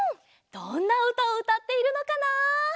どんなうたをうたっているのかな？